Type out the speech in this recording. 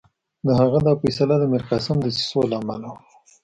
د هغه دا فیصله د میرقاسم دسیسو له امله وه.